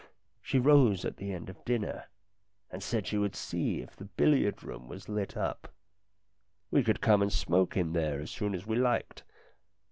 She rose at the end of dinner, and said she would see if the billiard room was lit up. We could come and smoke in there as soon as we liked.